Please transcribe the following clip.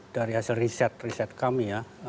dari hasil riset riset kami ya